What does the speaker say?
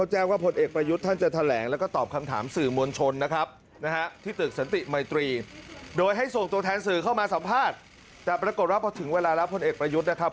จะปรากฏรับถึงเวลาแล้วผลเอกประยุจนะครับ